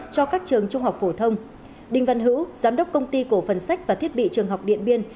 cho các trường trung học phổ thông đinh văn hữu giám đốc công ty cổ phần sách và thiết bị trường học điện biên